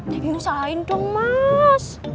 ya usahain dong mas